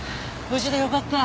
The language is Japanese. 無事でよかった。